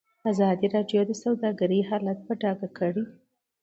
ازادي راډیو د سوداګري حالت په ډاګه کړی.